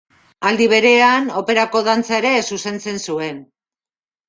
Aldi berean, Operako dantza ere zuzentzen zuen.